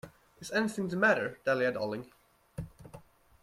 Is anything the matter, Dahlia, darling?